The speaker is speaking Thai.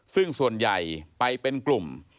ซึ่งส่วนใหญ่ไปเป็นกลุ่ม